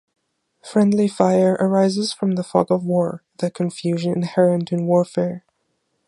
Friendly fire arises from the "fog of war" - the confusion inherent in warfare.